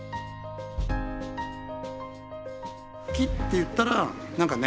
木っていったら何かね